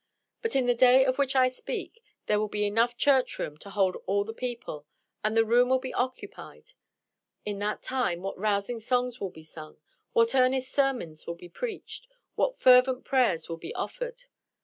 But in the day of which I speak there will be enough church room to hold all the people, and the room will be occupied. In that time what rousing songs will be sung! What earnest sermons will be preached! What fervent prayers will be offered!